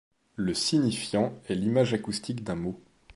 Le signifiant est l'image acoustique d'un mot.